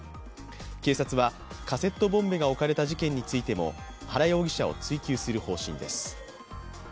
警察はカセットボンベが置かれた事件についても原容疑者を追及する方針です。